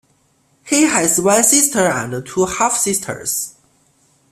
He has one sister and two half-sisters.